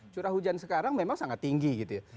curah hujan sekarang memang sangat tinggi gitu ya